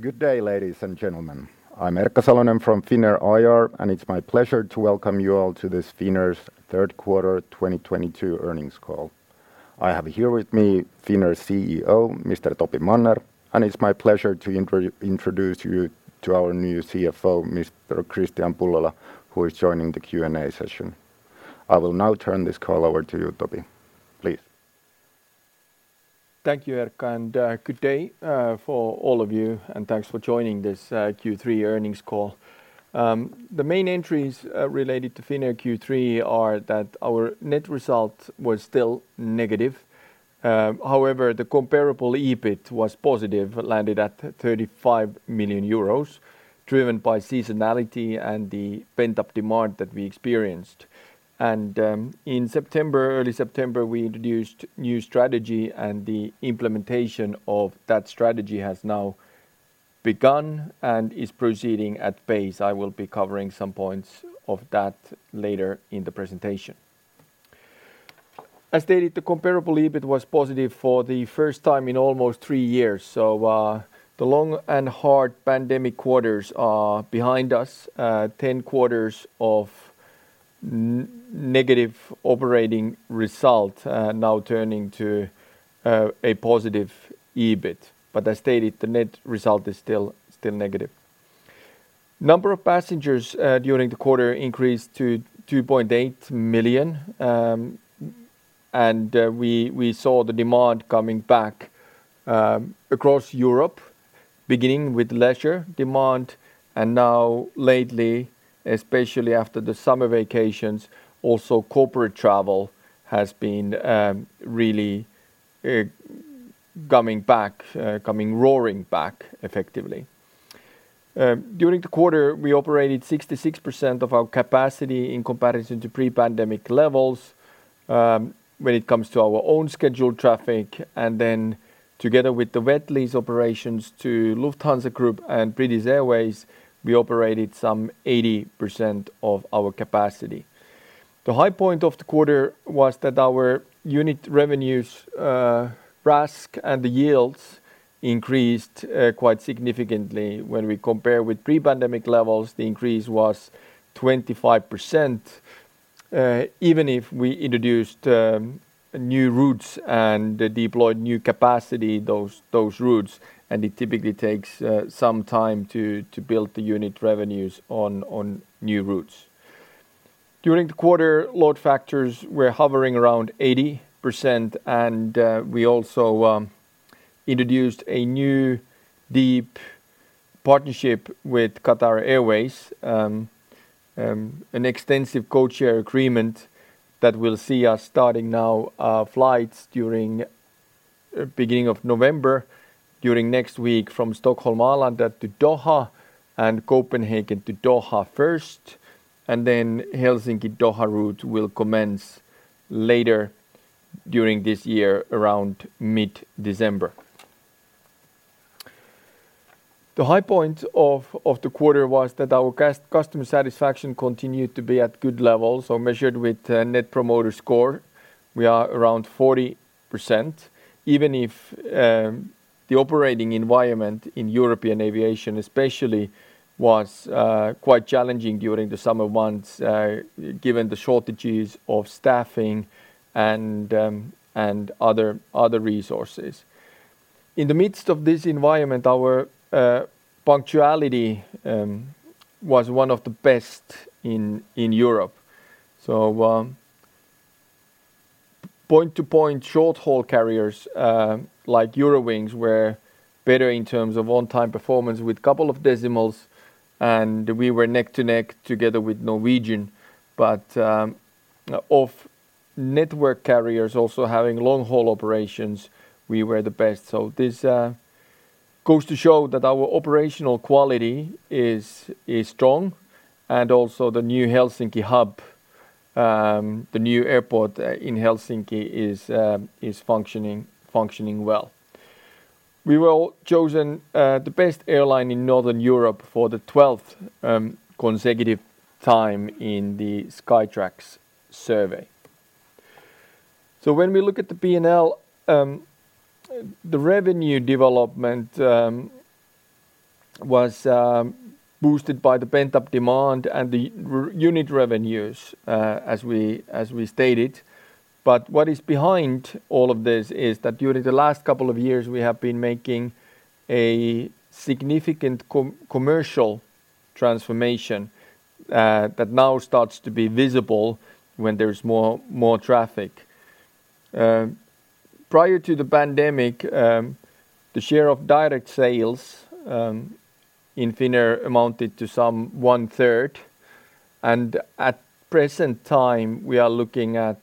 Good day, ladies and gentlemen. I'm Erkka Salonen from Finnair IR, and it's my pleasure to welcome you all to this Finnair's third quarter 2022 Earnings Call. I have here with me Finnair CEO, Mr. Topi Manner, and it's my pleasure to introduce you to our new CFO, Mr. Kristian Pullola, who is joining the Q&A session. I will now turn this call over to you, Topi. Please. Thank you, Erkka, and good day for all of you, and thanks for joining this Q3 earnings call. The main entries related to Finnair Q3 are that our net result was still negative. However, the comparable EBIT was positive, landed at 35 million euros, driven by seasonality and the pent-up demand that we experienced. In September, early September, we introduced new strategy, and the implementation of that strategy has now begun and is proceeding at pace. I will be covering some points of that later in the presentation. As stated, the comparable EBIT was positive for the first time in almost three years. The long and hard pandemic quarters are behind us, 10 quarters of negative operating result, now turning to a positive EBIT. I stated the net result is still negative. Number of passengers during the quarter increased to 2.8 million, and we saw the demand coming back across Europe, beginning with leisure demand, and now lately, especially after the summer vacations, also corporate travel has been really coming roaring back effectively. During the quarter, we operated 66% of our capacity in comparison to pre-pandemic levels, when it comes to our own scheduled traffic. Together with the wet lease operations to Lufthansa Group and British Airways, we operated some 80% of our capacity. The high point of the quarter was that our unit revenues, RASK, and the yields increased quite significantly. When we compare with pre-pandemic levels, the increase was 25%. Even if we introduced new routes and deployed new capacity, those routes, and it typically takes some time to build the unit revenues on new routes. During the quarter, load factors were hovering around 80%, and we also introduced a new deep partnership with Qatar Airways, an extensive codeshare agreement that will see us starting now flights during beginning of November, during next week from Stockholm Arlanda to Doha and Copenhagen to Doha first, and then Helsinki-Doha route will commence later during this year, around mid-December. The high point of the quarter was that our customer satisfaction continued to be at good levels as measured with Net Promoter Score. We are around 40%, even if the operating environment in European aviation especially was quite challenging during the summer months, given the shortages of staffing and other resources. In the midst of this environment, our punctuality was one of the best in Europe. Point-to-point short-haul carriers like Eurowings were better in terms of on-time performance with couple of decimals, and we were neck to neck together with Norwegian. Of network carriers also having long-haul operations, we were the best. This goes to show that our operational quality is strong and also the new Helsinki hub, the new airport in Helsinki is functioning well. We were chosen the best airline in Northern Europe for the twelfth consecutive time in the Skytrax survey. When we look at the P&L, the revenue development was boosted by the pent-up demand and the unit revenues, as we stated. What is behind all of this is that during the last couple of years, we have been making a significant commercial transformation that now starts to be visible when there's more traffic. Prior to the pandemic, the share of direct sales in Finnair amounted to some 1/3, and at present time, we are looking at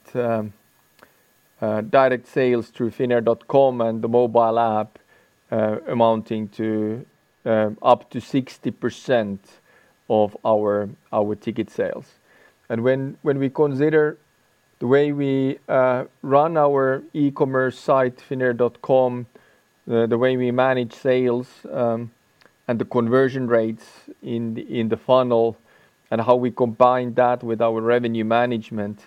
direct sales through finnair.com and the mobile app amounting to up to 60% of our ticket sales. When we consider the way we run our e-commerce site finnair.com, the way we manage sales, and the conversion rates in the funnel. How we combine that with our revenue management,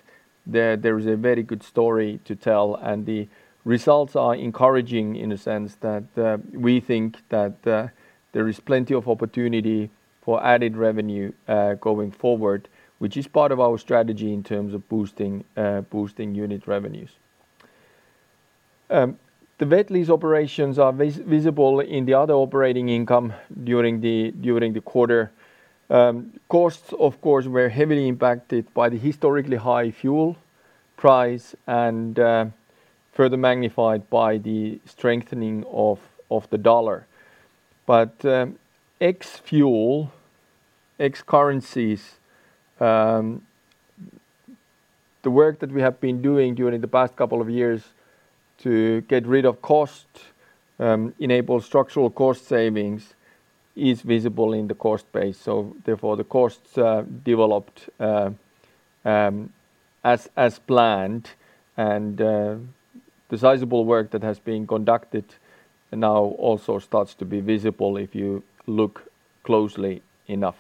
there is a very good story to tell, and the results are encouraging in a sense that we think that there is plenty of opportunity for added revenue going forward, which is part of our strategy in terms of boosting unit revenues. The wet lease operations are visible in the other operating income during the quarter. Costs, of course, were heavily impacted by the historically high fuel price and further magnified by the strengthening of the dollar. ex-fuel, ex-currencies, the work that we have been doing during the past couple of years to get rid of costs, enable structural cost savings is visible in the cost base. The costs developed as planned and the sizable work that has been conducted now also starts to be visible if you look closely enough.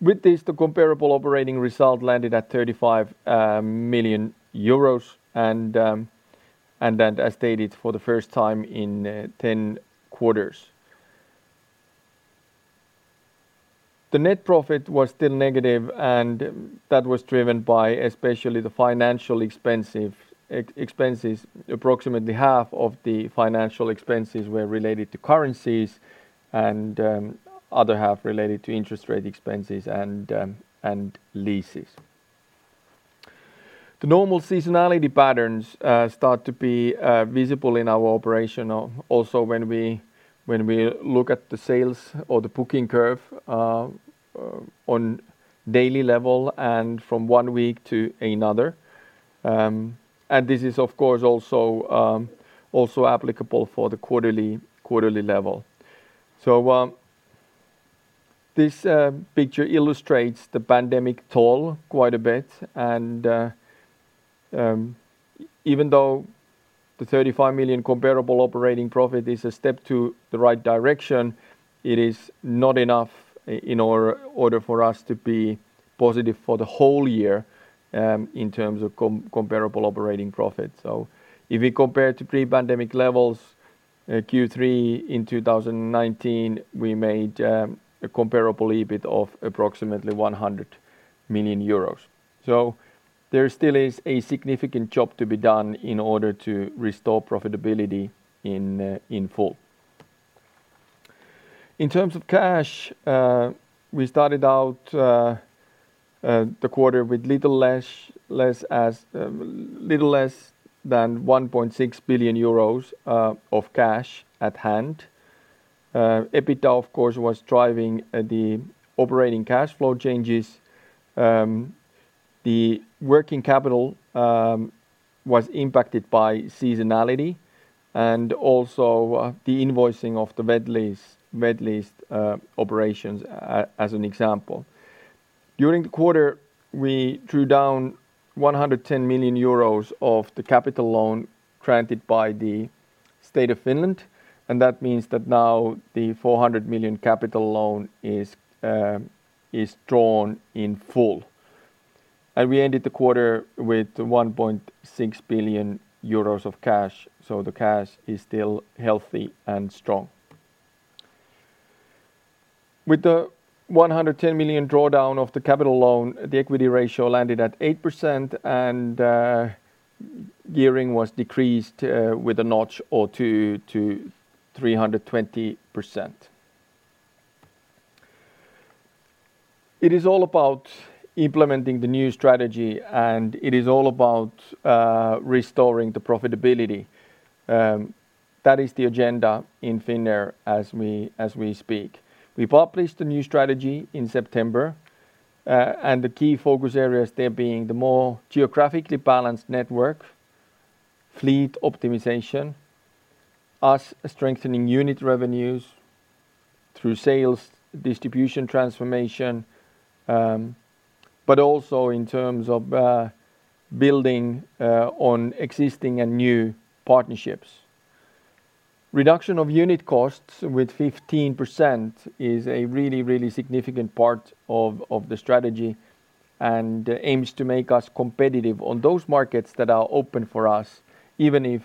With this, the comparable operating result landed at 35 million euros and then as stated for the first time in 10 quarters. The net profit was still negative, and that was driven by especially the financial expenses. Approximately half of the financial expenses were related to currencies and other half related to interest rate expenses and leases. The normal seasonality patterns start to be visible in our operations. Also when we look at the sales or the booking curve on daily level and from one week to another. This is of course also applicable for the quarterly level. This picture illustrates the pandemic toll quite a bit and even though the 35 million comparable operating profit is a step in the right direction, it is not enough in order for us to be positive for the whole year in terms of comparable operating profit. If we compare to pre-pandemic levels, Q3 in 2019, we made a comparable EBIT of approximately 100 million euros. There still is a significant job to be done in order to restore profitability in full. In terms of cash, we started out the quarter with a little less than 1.6 billion euros of cash at hand. EBITDA, of course, was driving the operating cash flow changes. The working capital was impacted by seasonality and also, the invoicing of the wet lease operations as an example. During the quarter, we drew down 110 million euros of the capital loan granted by the State of Finland, and that means that now the 400 million capital loan is drawn in full. We ended the quarter with 1.6 billion euros of cash. The cash is still healthy and strong. With the 110 million drawdown of the capital loan, the equity ratio landed at 8% and gearing was decreased with a notch or two to 320%. It is all about implementing the new strategy, and it is all about restoring the profitability. That is the agenda in Finnair as we speak. We published a new strategy in September, and the key focus areas there being the more geographically balanced network, fleet optimization, us strengthening unit revenues through sales distribution transformation, but also in terms of building on existing and new partnerships. Reduction of unit costs with 15% is a really, really significant part of the strategy and aims to make us competitive on those markets that are open for us, even if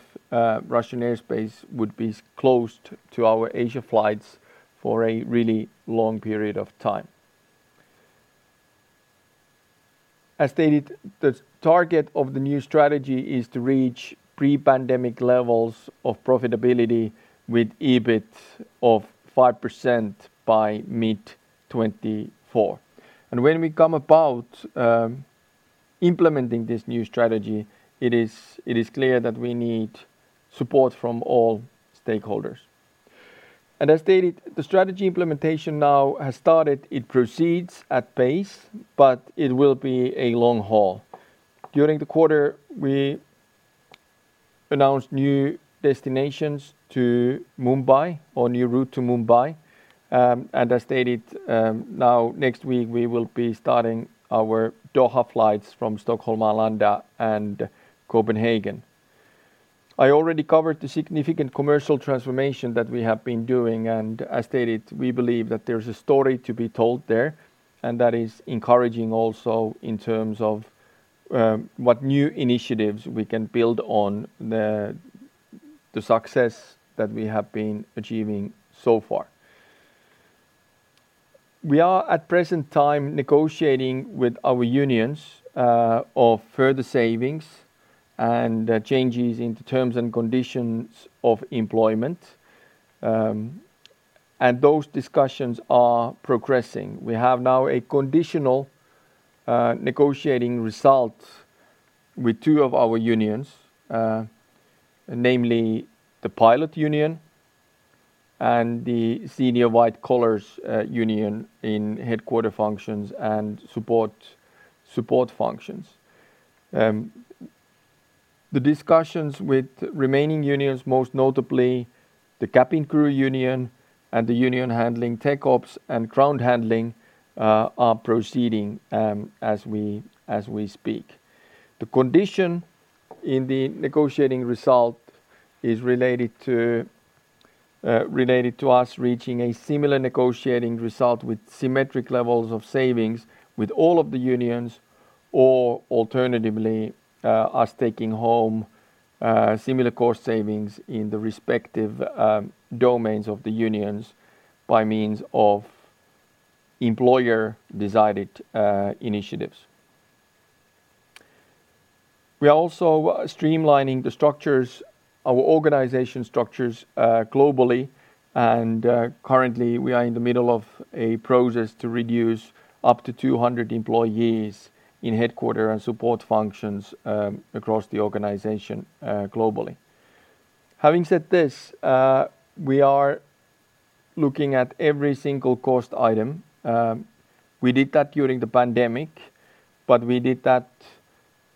Russian airspace would be closed to our Asia flights for a really long period of time. As stated, the target of the new strategy is to reach pre-pandemic levels of profitability with EBIT of 5% by mid-2024. When it comes to implementing this new strategy, it is clear that we need support from all stakeholders. As stated, the strategy implementation now has started. It proceeds at pace, but it will be a long haul. During the quarter, we announced new destinations to Mumbai or new route to Mumbai. As stated, now next week we will be starting our Doha flights from Stockholm Arlanda and Copenhagen. I already covered the significant commercial transformation that we have been doing, and as stated, we believe that there's a story to be told there, and that is encouraging also in terms of what new initiatives we can build on the success that we have been achieving so far. We are at present time negotiating with our unions of further savings and changes in the terms and conditions of employment. Those discussions are progressing. We have now a conditional negotiating result with two of our unions, namely the pilot union and the senior white-collar union in headquarters functions and support functions. The discussions with remaining unions, most notably the cabin crew union and the union handling tech ops and ground handling, are proceeding as we speak. The condition in the negotiating result is related to us reaching a similar negotiating result with symmetric levels of savings with all of the unions, or alternatively, us taking home similar cost savings in the respective domains of the unions by means of employer-decided initiatives. We are also streamlining the structures, our organization structures, globally and currently we are in the middle of a process to reduce up to 200 employees in headquarters and support functions across the organization, globally. Having said this, we are looking at every single cost item. We did that during the pandemic, but we did that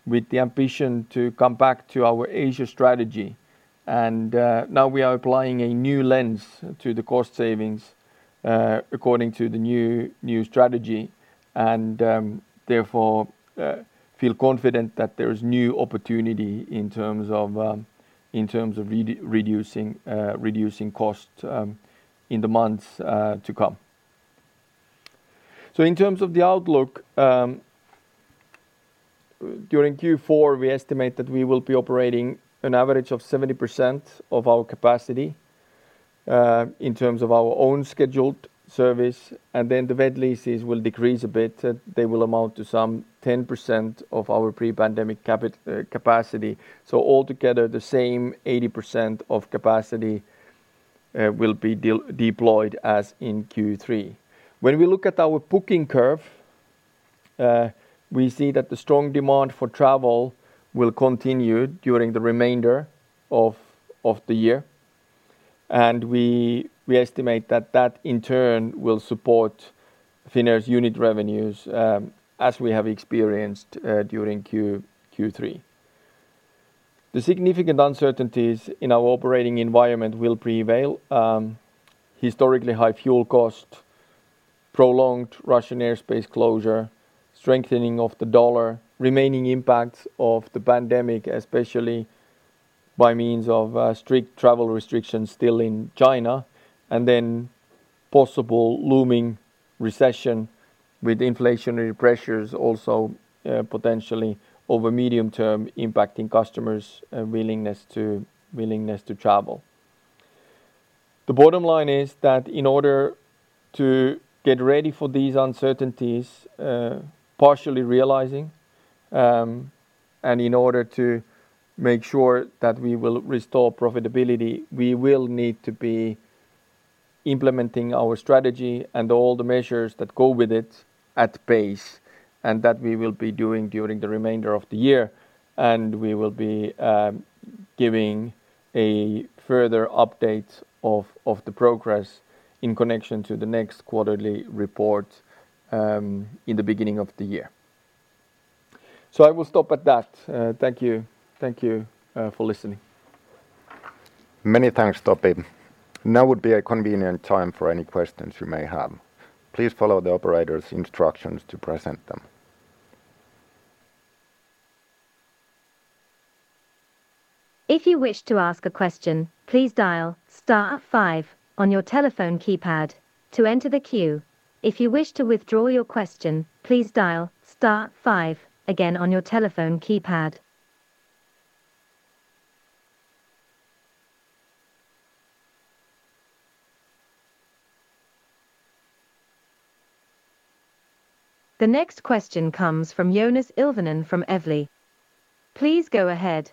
with the ambition to come back to our Asia strategy. Now we are applying a new lens to the cost savings according to the new strategy and therefore feel confident that there is new opportunity in terms of reducing costs in the months to come. In terms of the outlook, during Q4, we estimate that we will be operating an average of 70% of our capacity in terms of our own scheduled service, and then the wet leases will decrease a bit. They will amount to some 10% of our pre-pandemic capacity. Altogether, the same 80% of capacity will be deployed as in Q3. When we look at our booking curve, we see that the strong demand for travel will continue during the remainder of the year. We estimate that that in turn will support Finnair's unit revenues, as we have experienced during Q3. The significant uncertainties in our operating environment will prevail. Historically high fuel cost, prolonged Russian airspace closure, strengthening of the dollar, remaining impacts of the pandemic, especially by means of strict travel restrictions still in China, and then possible looming recession with inflationary pressures also potentially over medium term impacting customers' willingness to travel. The bottom line is that in order to get ready for these uncertainties, partially realizing, and in order to make sure that we will restore profitability, we will need to be implementing our strategy and all the measures that go with it at pace, and that we will be doing during the remainder of the year. We will be giving a further update of the progress in connection to the next quarterly report, in the beginning of the year. I will stop at that. Thank you. Thank you for listening. Many thanks, Topi. Now would be a convenient time for any questions you may have. Please follow the operator's instructions to present them. If you wish to ask a question, please dial star five on your telephone keypad to enter the queue. If you wish to withdraw your question, please dial star five again on your telephone keypad. The next question comes from Joonas Ilvonen from Evli. Please go ahead.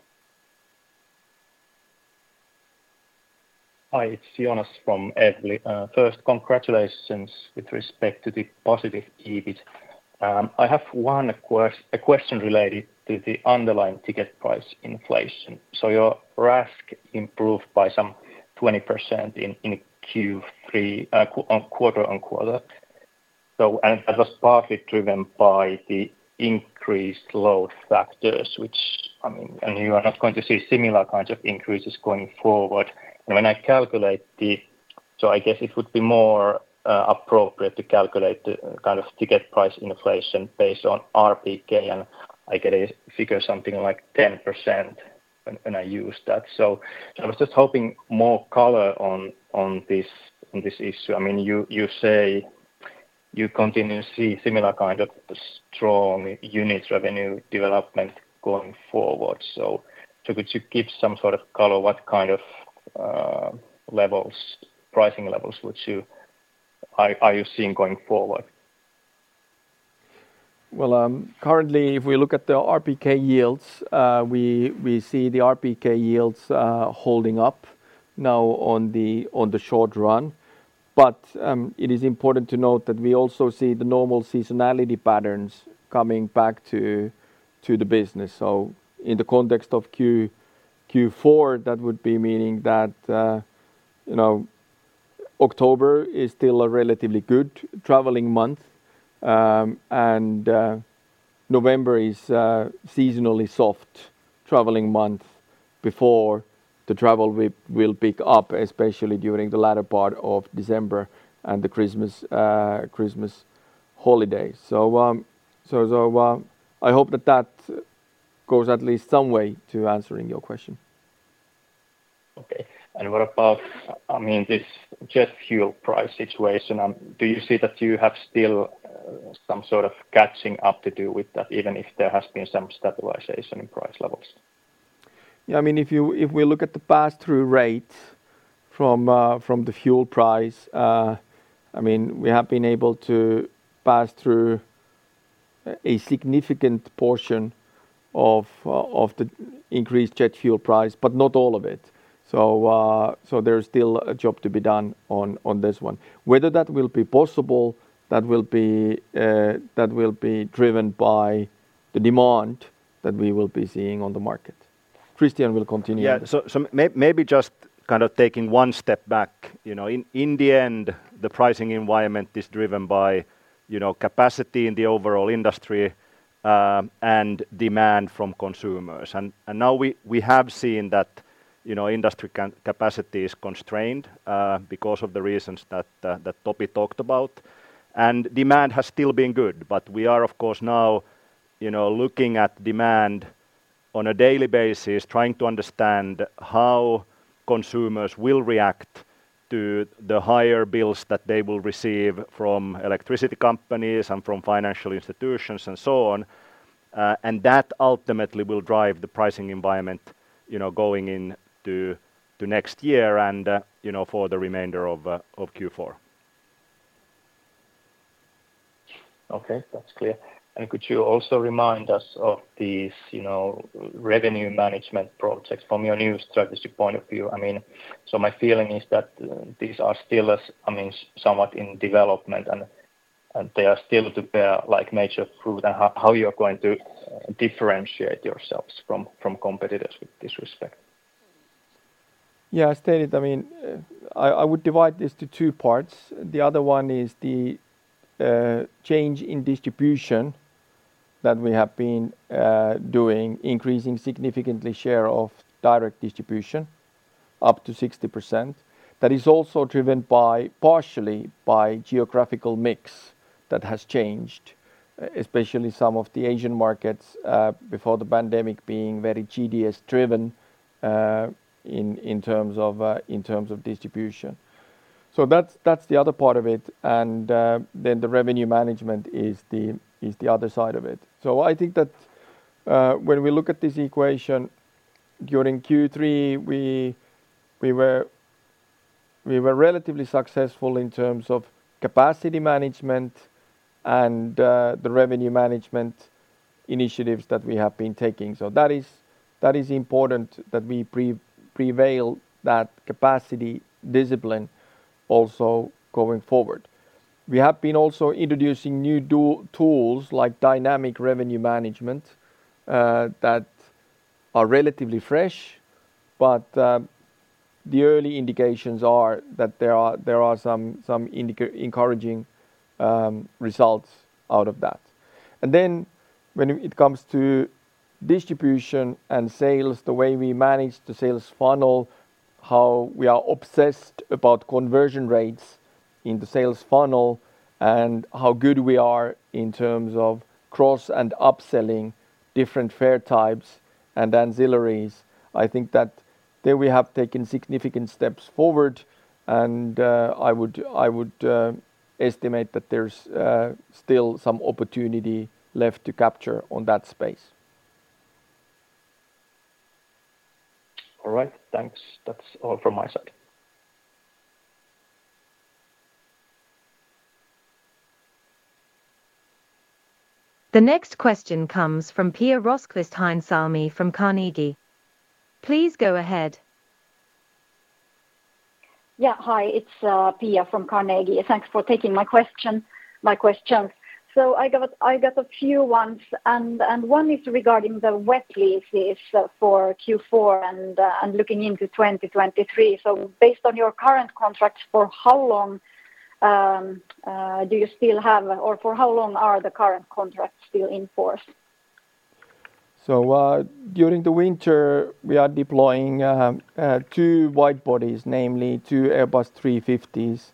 Hi, it's Jonas from Evli. First, congratulations with respect to the positive EBIT. I have a question related to the underlying ticket price inflation. Your RASK improved by some 20% in Q3 on quarter-on-quarter. That was partly driven by the increased load factors, which I mean. You are not going to see similar kinds of increases going forward. When I calculate, I guess it would be more appropriate to calculate the kind of ticket price inflation based on RPK, and I get a figure something like 10% when I use that. I was just hoping more color on this issue. I mean, you say you continue to see similar kind of strong unit revenue development going forward. Could you give some sort of color what kind of levels, pricing levels are you seeing going forward? Well, currently, if we look at the RPK yields, we see the RPK yields holding up now on the short run. It is important to note that we also see the normal seasonality patterns coming back to the business. In the context of Q4, that would be meaning that, you know, October is still a relatively good traveling month. November is a seasonally soft traveling month before the travel will pick up, especially during the latter part of December and the Christmas holiday. I hope that that goes at least some way to answering your question. Okay. What about, I mean, this jet fuel price situation? Do you see that you have still some sort of catching up to do with that, even if there has been some stabilization in price levels? Yeah, I mean, if we look at the pass-through rate from the fuel price, I mean, we have been able to pass through a significant portion of the increased jet fuel price, but not all of it. There's still a job to be done on this one. Whether that will be possible, that will be driven by the demand that we will be seeing on the market. Kristian will continue. Maybe just kind of taking one step back. You know, in the end, the pricing environment is driven by, you know, capacity in the overall industry, and demand from consumers. Now we have seen that, you know, industry capacity is constrained, because of the reasons that Topi talked about. Demand has still been good. We are, of course, now, you know, looking at demand on a daily basis, trying to understand how consumers will react to the higher bills that they will receive from electricity companies and from financial institutions and so on. That ultimately will drive the pricing environment, you know, going into next year and, you know, for the remainder of Q4. Okay, that's clear. Could you also remind us of these, you know, revenue management projects from your new strategic point of view? I mean, so my feeling is that these are still, I mean, somewhat in development and they are still to bear like major fruit and how you're going to differentiate yourselves from competitors with this respect? Yeah, as stated, I mean, I would divide this to two parts. The other one is the change in distribution that we have been doing, increasing significantly share of direct distribution up to 60%. That is also driven by partially by geographical mix that has changed, especially some of the Asian markets before the pandemic being very GDS driven in terms of distribution. That's the other part of it. Then the revenue management is the other side of it. I think that when we look at this equation during Q3, we were relatively successful in terms of capacity management and the revenue management initiatives that we have been taking. That is important that we prevail that capacity discipline also going forward. We have been also introducing new tools like dynamic revenue management that are relatively fresh, but the early indications are that there are some encouraging results out of that. When it comes to distribution and sales, the way we manage the sales funnel, how we are obsessed about conversion rates in the sales funnel, and how good we are in terms of cross and upselling different fare types and ancillaries. I think that there we have taken significant steps forward, and I would estimate that there's still some opportunity left to capture on that space. All right. Thanks. That's all from my side. The next question comes from Pia Rosqvist-Heinsalmi from Carnegie.. Please go ahead. Yeah. Hi, it's Pia from Carnegie. Thanks for taking my questions. I got a few ones, and one is regarding the wet leases for Q4 and looking into 2023. Based on your current contracts, for how long do you still have or for how long are the current contracts still in force? During the winter, we are deploying two wide-bodies, namely two Airbus A350s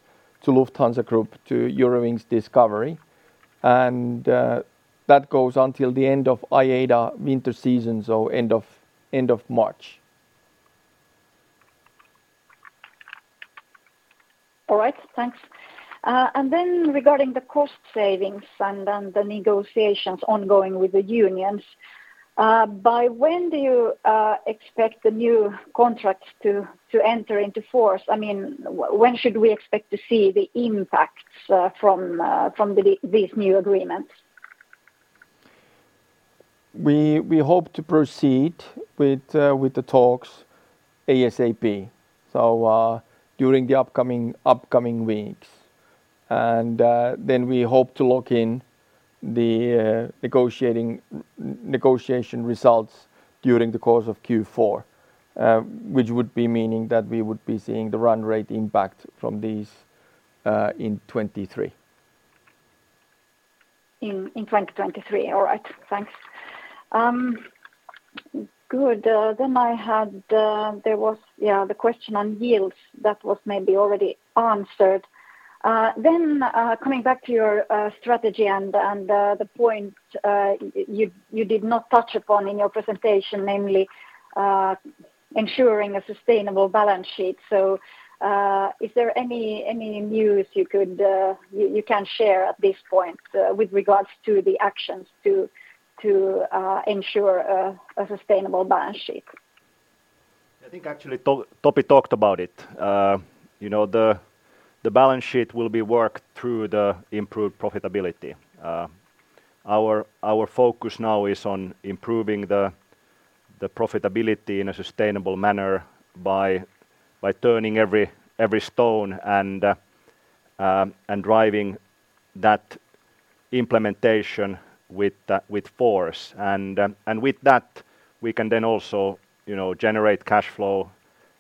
to Lufthansa Group to Eurowings Discover. That goes until the end of IATA winter season, end of March. All right. Thanks. Regarding the cost savings and then the negotiations ongoing with the unions, by when do you expect the new contracts to enter into force? I mean, when should we expect to see the impacts from these new agreements? We hope to proceed with the talks ASAP, so during the upcoming weeks. Then we hope to lock in the negotiation results during the course of Q4, which would be meaning that we would be seeing the run rate impact from these in 2023. In 2023. All right. Thanks. Good. Then I had there was the question on yields that was maybe already answered. Then coming back to your strategy and the point you did not touch upon in your presentation, namely, ensuring a sustainable balance sheet. Is there any news you can share at this point with regards to the actions to ensure a sustainable balance sheet? I think actually Topi talked about it. You know, the balance sheet will be worked through the improved profitability. Our focus now is on improving the profitability in a sustainable manner by turning every stone and driving that implementation with force. With that, we can then also, you know, generate cashflow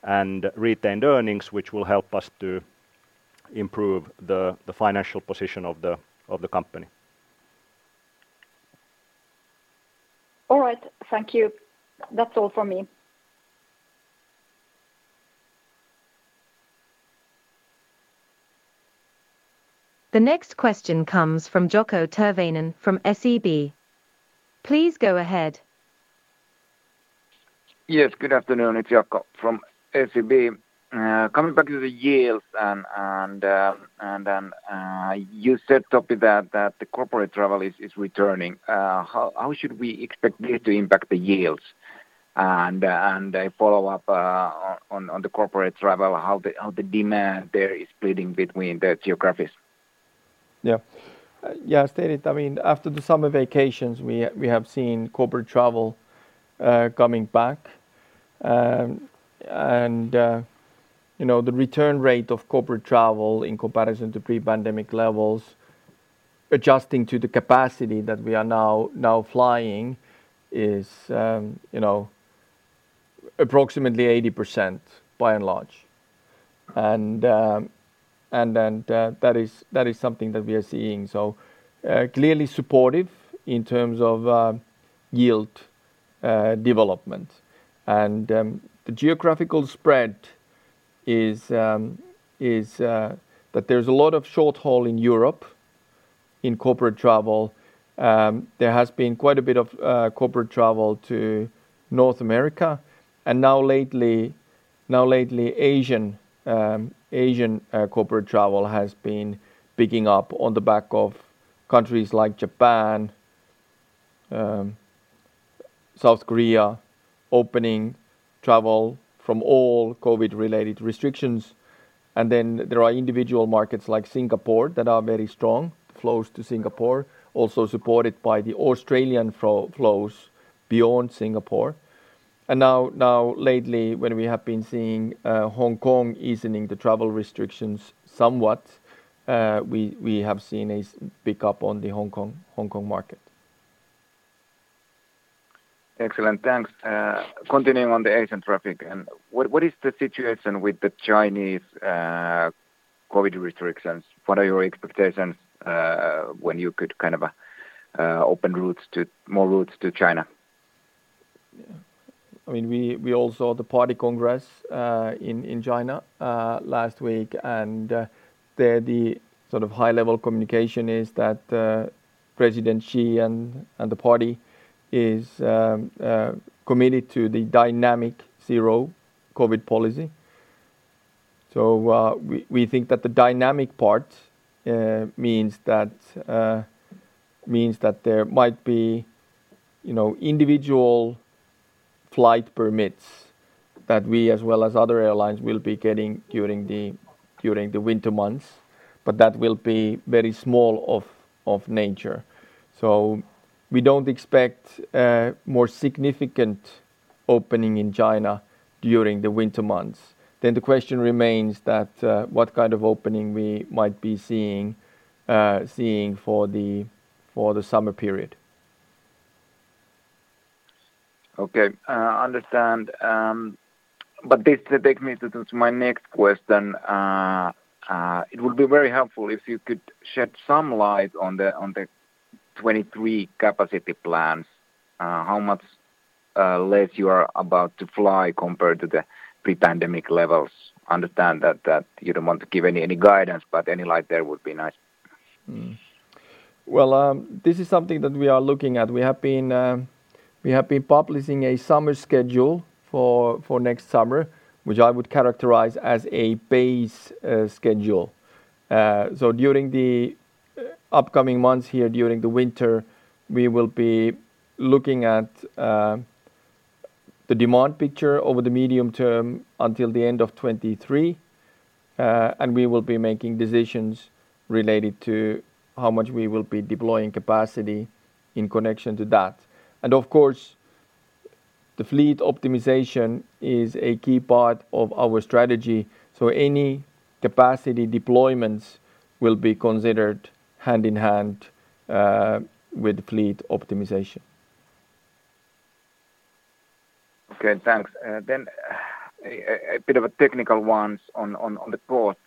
and retained earnings, which will help us to improve the financial position of the company. All right. Thank you. That's all from me. The next question comes from Jaakko Tyrväinen from SEB. Please go ahead. Yes, good afternoon. It's Jaakko from SEB. Coming back to the yields and you said, Topi, that the corporate travel is returning. How should we expect it to impact the yields? A follow-up on the corporate travel, how the demand there is splitting between the geographies? Yeah. Yeah, as stated, I mean, after the summer vacations, we have seen corporate travel coming back. You know, the return rate of corporate travel in comparison to pre-pandemic levels adjusting to the capacity that we are now flying is, you know, approximately 80% by and large. That is something that we are seeing, so clearly supportive in terms of yield development. The geographical spread is. But there's a lot of short-haul in Europe in corporate travel. There has been quite a bit of corporate travel to North America. Now lately, Asian corporate travel has been picking up on the back of countries like Japan, South Korea opening travel from all COVID-related restrictions. There are individual markets like Singapore that are very strong. Flows to Singapore also supported by the Australian flows beyond Singapore. Now lately, when we have been seeing Hong Kong easing the travel restrictions somewhat, we have seen a pick up on the Hong Kong market. Excellent. Thanks. Continuing on the Asian traffic and what is the situation with the Chinese COVID restrictions? What are your expectations when you could kind of open routes to more routes to China? I mean, we all saw the party congress in China last week, and there the sort of high-level communication is that Xi Jinping and the party is committed to the dynamic zero-COVID policy. We think that the dynamic part means that there might be, you know, individual flight permits that we as well as other airlines will be getting during the winter months, but that will be very small of nature. We don't expect a more significant opening in China during the winter months. The question remains that what kind of opening we might be seeing for the summer period. Okay. This takes me to my next question. It would be very helpful if you could shed some light on the 23 capacity plans. How much less you are about to fly compared to the pre-pandemic levels? Understand that you don't want to give any guidance, but any light there would be nice. Well, this is something that we are looking at. We have been publishing a summer schedule for next summer, which I would characterize as a base schedule. During the upcoming months here during the winter, we will be looking at the demand picture over the medium-term until the end of 2023. We will be making decisions related to how much we will be deploying capacity in connection to that. Of course, the fleet optimization is a key part of our strategy. Any capacity deployments will be considered hand in hand with fleet optimization. Okay, thanks. A bit of a technical one on the costs.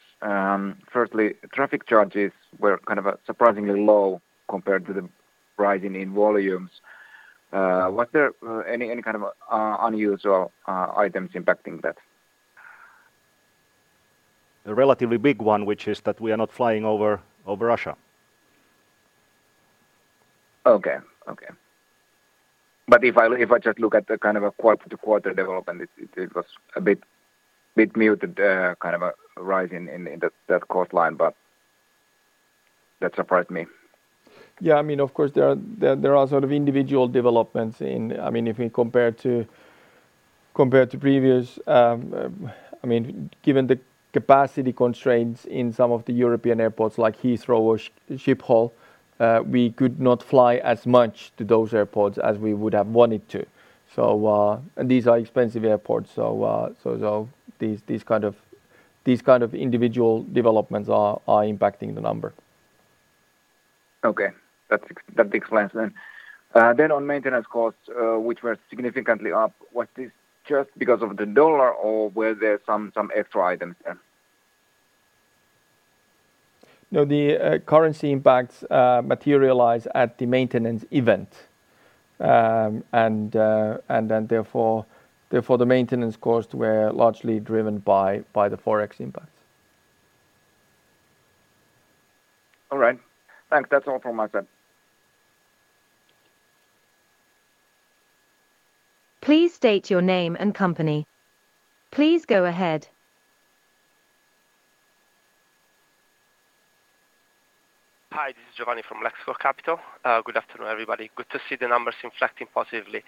Firstly, traffic charges were kind of surprisingly low compared to the rise in volumes. Was there any kind of unusual items impacting that? A relatively big one, which is that we are not flying over Russia. If I just look at the kind of a quarter-over-quarter development, it was a bit muted, kind of a rise in that cost line, but that surprised me. Yeah. I mean, of course, there are sort of individual developments. I mean, if we compare to previous, I mean, given the capacity constraints in some of the European airports like Heathrow or Schiphol, we could not fly as much to those airports as we would have wanted to. These are expensive airports. These kind of individual developments are impacting the number. Okay. That explains then. On maintenance costs, which were significantly up, was this just because of the U.S. dollar or were there some extra items there? No, the currency impacts materialize at the maintenance event. Therefore, the maintenance costs were largely driven by the Forex impacts. All right. Thanks. That's all from my side. Please state your name and company. Please go ahead. Hi, this is Giovanni from Laxo Capital. Good afternoon, everybody. Good to see the numbers inflecting positively.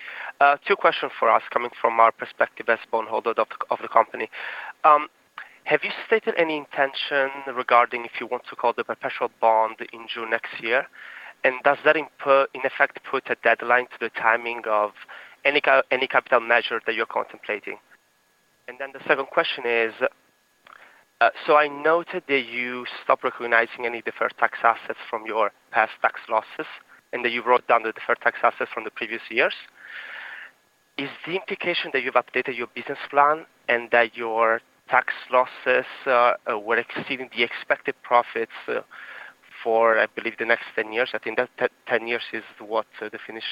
Two questions for us coming from our perspective as bondholder of the company. Have you stated any intention regarding if you want to call the perpetual bond in June next year? Does that in effect put a deadline to the timing of any capital measure that you're contemplating? The second question is, so I noted that you stopped recognizing any deferred tax assets from your past tax losses, and that you wrote down the deferred tax assets from the previous years. Is the implication that you've updated your business plan and that your tax losses were exceeding the expected profits for, I believe, the next 10 years? I think that 10 years is what the Finnish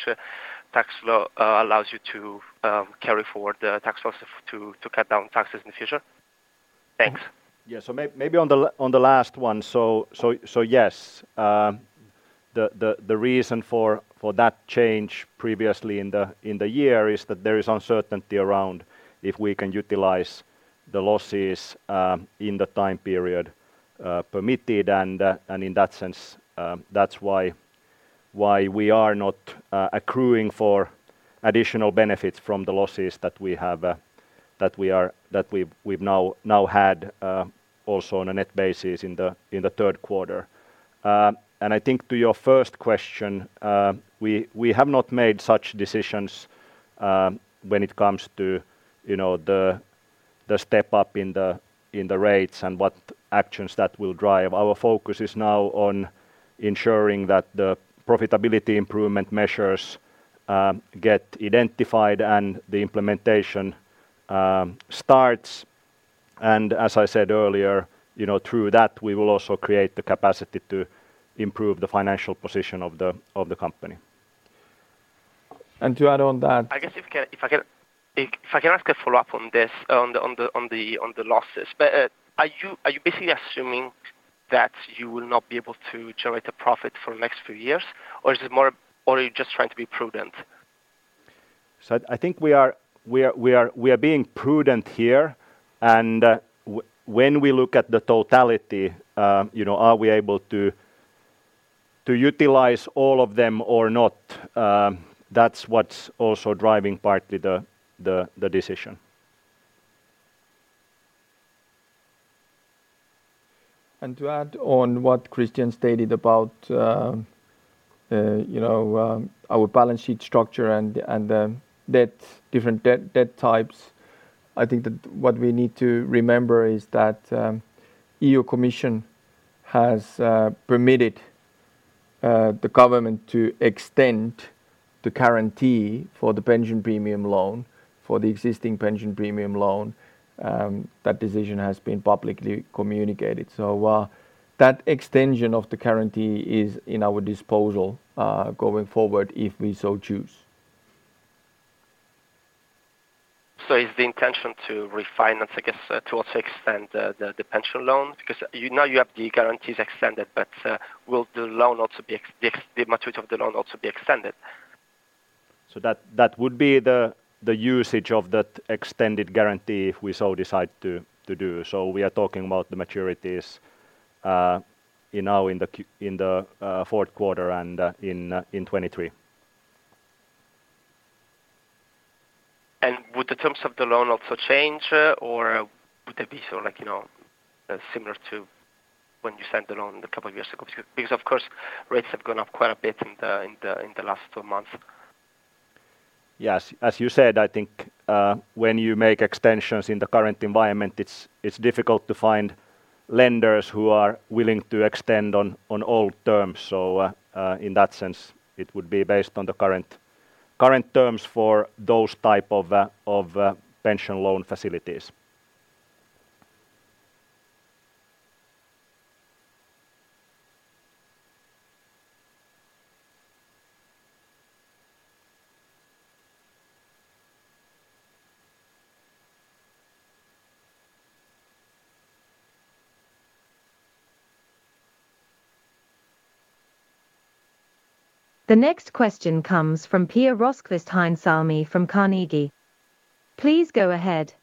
tax law allows you to carry forward the tax losses to cut down taxes in the future. Thanks. Yeah. Maybe on the last one. Yes, the reason for that change previously in the year is that there is uncertainty around if we can utilize the losses in the time period permitted. In that sense, that's why we are not accruing for additional benefits from the losses that we've now had also on a net basis in the third quarter. I think to your first question, we have not made such decisions when it comes to, you know, the step-up in the rates and what actions that will drive. Our focus is now on ensuring that the profitability improvement measures get identified and the implementation starts. as I said earlier, you know, through that, we will also create the capacity to improve the financial position of the company. To add on that. I guess if I can ask a follow-up on this, on the losses. Are you basically assuming that you will not be able to generate a profit for the next few years, or are you just trying to be prudent? I think we are being prudent here. When we look at the totality, you know, are we able to utilize all of them or not? That's what's also driving partly the decision. To add on what Kristian Pullola stated about, you know, our balance sheet structure and debt, different debt types, I think that what we need to remember is that European Commission has permitted the government to extend the guarantee for the pension premium loan, for the existing pension premium loan, that decision has been publicly communicated. That extension of the guarantee is in our disposal going forward if we so choose. Is the intention to refinance, I guess, to also extend the pension loan? Because you know you have the guarantees extended, but will the loan also be the maturity of the loan also be extended? That would be the usage of that extended guarantee if we so decide to do. We are talking about the maturities, you know, in the fourth quarter and in 2023. Would the terms of the loan also change, or would they be so like, you know, similar to when you signed the loan a couple of years ago? Because of course, rates have gone up quite a bit in the last two months. Yes. As you said, I think, when you make extensions in the current environment, it's difficult to find lenders who are willing to extend on old terms. In that sense, it would be based on the current terms for those type of pension loan facilities. The next question comes from Pia Rosqvist-Heinsalmi from Carnegie. Please go ahead.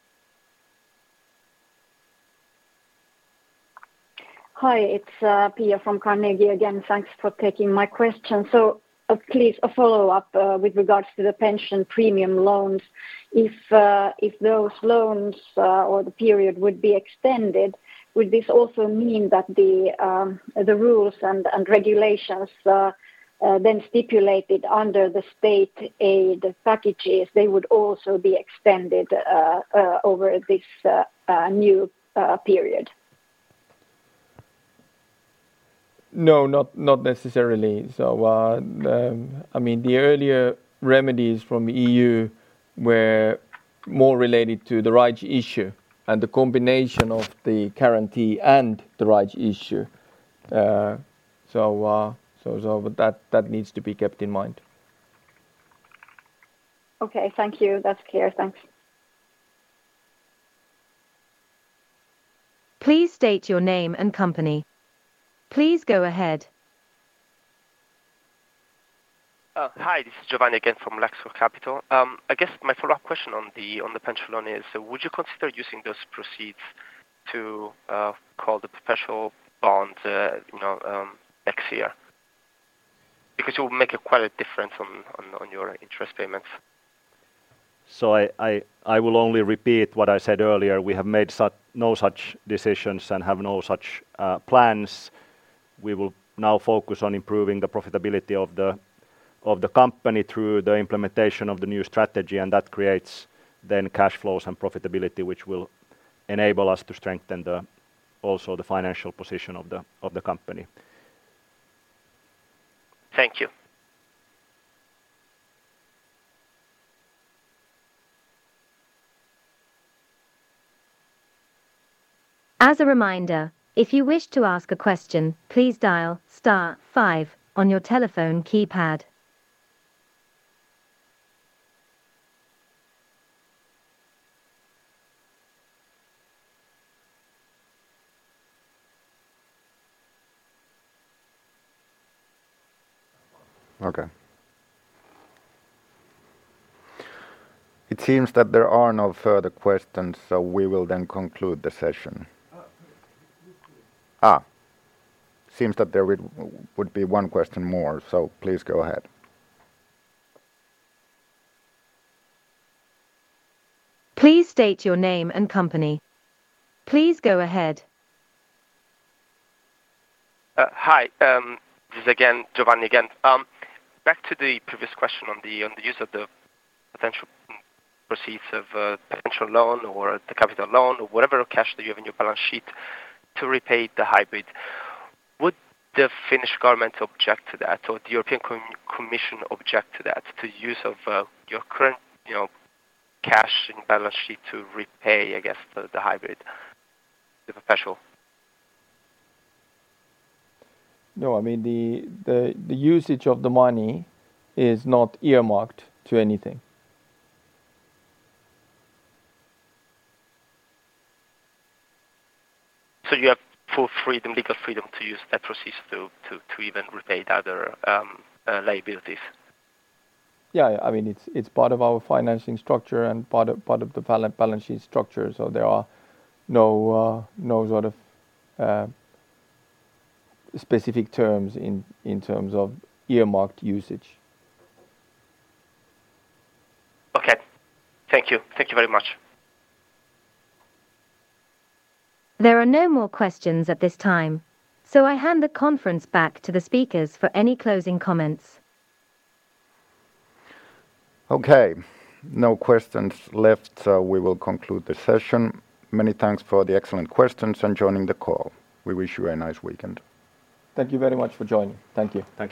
Hi, it's Pia from Carnegie. Again, thanks for taking my question. Please, a follow-up with regards to the pension premium loans. If those loans or the period would be extended, would this also mean that the rules and regulations then stipulated under the state aid packages they would also be extended over this new period? No, not necessarily. I mean, the earlier remedies from EU were more related to the rights issue and the combination of the guarantee and the rights issue. That needs to be kept in mind. Okay. Thank you. That's clear. Thanks. Please state your name and company. Please go ahead. Hi, this is Giovanni again from Laxo Capital. I guess my follow-up question on the pension loan is, would you consider using those proceeds to call the perpetual bonds next year? Because it will make quite a difference on your interest payments. I will only repeat what I said earlier. We have made no such decisions and have no such plans. We will now focus on improving the profitability of the company through the implementation of the new strategy, and that creates then cash flows and profitability, which will enable us to strengthen also the financial position of the company. Thank you. As a reminder, if you wish to ask a question, please dial star five on your telephone keypad. Okay. It seems that there are no further questions, so we will then conclude the session. Seems that there would be one question more, so please go ahead. Please state your name and company. Please go ahead. Hi. This is again, Giovanni again. Back to the previous question on the use of the potential proceeds of potential loan or the capital loan or whatever cash that you have in your balance sheet to repay the hybrid. Would the Finnish government object to that, or the European Commission object to that, to the use of your current, you know, cash in balance sheet to repay, I guess, the hybrid, the perpetual? No, I mean, the usage of the money is not earmarked to anything. You have full freedom, legal freedom to use that proceeds to even repay other liabilities? Yeah. I mean, it's part of our financing structure and part of the balance sheet structure. There are no sort of specific terms-in-terms of earmarked usage. Okay. Thank you. Thank you very much. There are no more questions at this time, so I hand the conference back to the speakers for any closing comments. Okay. No questions left, we will conclude the session. Many thanks for the excellent questions and joining the call. We wish you a nice weekend. Thank you very much for joining. Thank you. Thank you.